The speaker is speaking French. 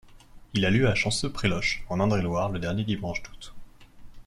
Il a lieu à Chanceaux-près-Loches en Indre-et-Loire le dernier dimanche d'août.